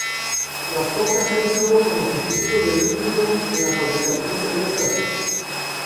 Las hojas se han usado como sustituto del lúpulo en la fabricación de cerveza.